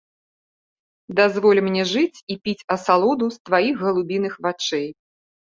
Дазволь мне жыць і піць асалоду з тваіх галубіных вачэй.